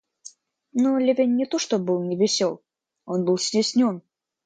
Но Левин не то что был не весел, он был стеснен.